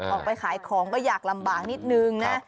ออกไปขายของก็อยากลำบากนิดนึงนะ